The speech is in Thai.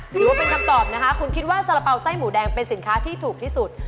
ถือว่าเป็นคำตอบนะคะคุณคิดว่าสาระเป๋าไส้หมูแดงเป็นสินค้าที่ถูกที่สุด